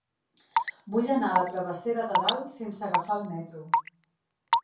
Vull anar a la travessera de Dalt sense agafar el metro.